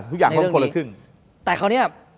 ทุกอย่างต้องคนละครึ่งแต่คราวนี้